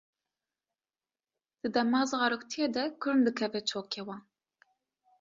Di dema zaroktiyê de kurm dikeve çokê wan.